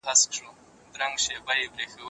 حقپالنه د افغانانو لپاره وياړ دی.